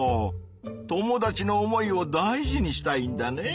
友達の思いを大事にしたいんだね。